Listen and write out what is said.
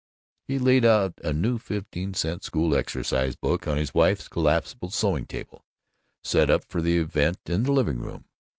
He laid out a new fifteen cent school exercise book on his wife's collapsible sewing table, set up for the event in the living room.